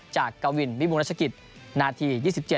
จากเกาวินวิมูลราชกิตนาที๒๗